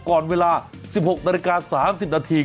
ก่อนเวลา๑๖นาฬิกา๓๐นาที